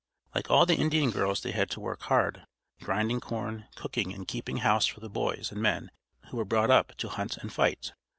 Like all the Indian girls they had to work hard, grinding corn, cooking and keeping house for the boys and men who were brought up to hunt and fight.